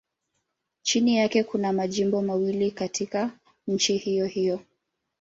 Chini yake kuna majimbo mawili katika nchi hiyohiyo.